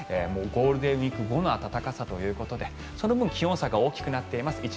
もうゴールデンウィーク後の暖かさということでその分、気温差が大きくなっています。